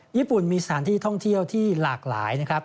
ญี่ปุ่นมีสถานที่ท่องเที่ยวที่หลากหลายนะครับ